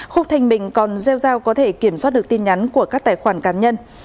khúc thanh bình còn gieo giao có thể kiểm soát được tin nhắn của các tài khoản cá nhân